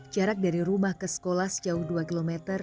jarak dari rumah ke sekolah sejauh dua km